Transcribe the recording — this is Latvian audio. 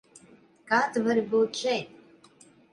Kā tu vari būt šeit?